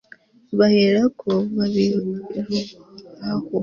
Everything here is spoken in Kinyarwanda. baherako babirohaho